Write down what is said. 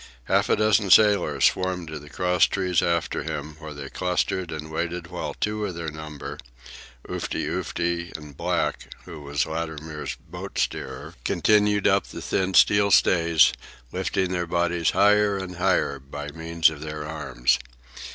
Half a dozen sailors swarmed to the crosstrees after him, where they clustered and waited while two of their number, Oofty Oofty and Black (who was Latimer's boat steerer), continued up the thin steel stays, lifting their bodies higher and higher by means of their arms.